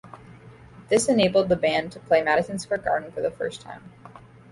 This enabled the band to play Madison Square Garden for the first time.